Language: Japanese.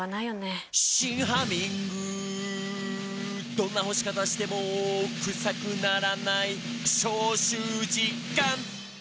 「どんな干し方してもクサくならない」「消臭実感！」